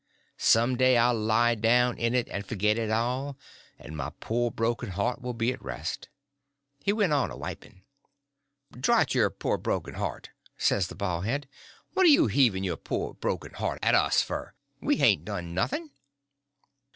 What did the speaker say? Some day I'll lie down in it and forget it all, and my poor broken heart will be at rest." He went on a wiping. "Drot your pore broken heart," says the baldhead; "what are you heaving your pore broken heart at us f'r? We hain't done nothing."